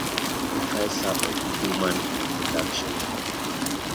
Professor of Human Reproduction.